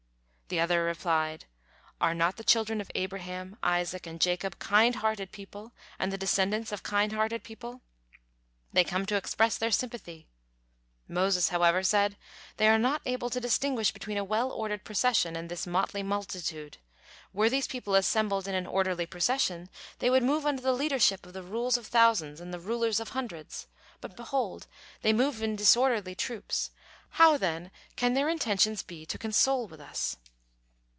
The other replied: "Are not the children of Abraham, Isaac, and Jacob kind hearted people and the descendants of kind hearted people? They come to express their sympathy." Moses, however, said: "Thou are not able to distinguish between a well ordered procession and this motley multitude; were these people assembled in an orderly procession, they would move under the leadership of the rules of thousands and the rulers of hundreds, but behold, they move in disorderly troops. How then can their intentions be to console with us!"